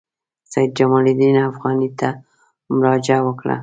سید جمال الدین افغاني ته مراجعه وکړه.